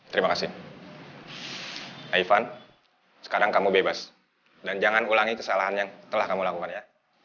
terima kasih aivan sekarang kamu bebas dan jangan ulangi kesalahan yang telah kamu lakukan ya